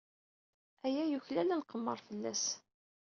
Aya yuklal ad nqemmer fell-as.